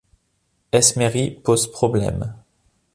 Esmery pose problème.